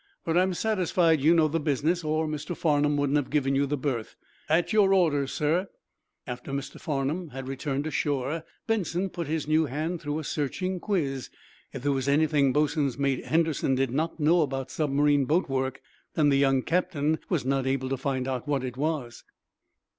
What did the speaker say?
"But I'm satisfied you know the business, or Mr. Farnum wouldn't have given you the berth. At your orders, sir." After Mr. Farnum had returned to shore Benson put his new hand through a searching quiz. If there was anything Boatswain's Mate Henderson did not know about submarine boat work, then the young captain was not able to find out what it was.